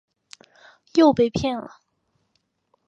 又被骗了